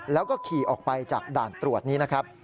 แล้วก็ขี่ออกไปจากด่านตรวจนี้นะครับ